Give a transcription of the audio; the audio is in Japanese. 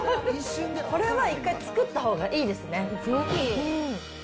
これは一回作ったほうがいいですね。